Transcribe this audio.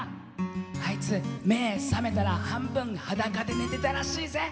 あいつ目覚めたら半分裸で寝てたらしいぜ。